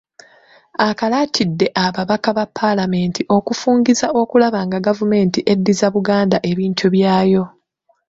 Akalaatidde ababaka ba Paalamenti okufungiza okulaba nga gavumenti eddiza Buganda ebintu byayo.